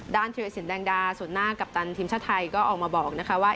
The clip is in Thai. ด้านเทียดสินแดงดาส่วนหน้ากัปตันทีมชาติไทยก็ออกมาบอกว่า